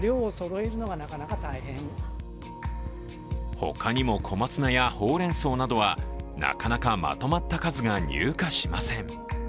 他にも小松菜やほうれんそうなどはなかなかまとまった数が入荷しません。